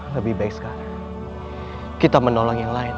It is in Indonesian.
lebih baik sekarang kita menolong yang lain